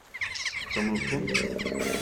Tettamneḍ-ten?